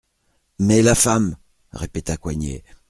Mais la femme ? répéta Coignet.